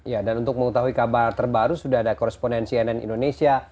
ya dan untuk mengetahui kabar terbaru sudah ada koresponen cnn indonesia